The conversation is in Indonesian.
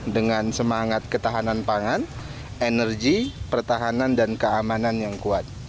dengan semangat ketahanan pangan energi pertahanan dan keamanan yang kuat